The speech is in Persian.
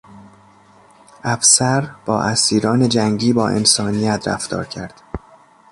افسر با اسیران جنگی با انسانیت رفتار کرد.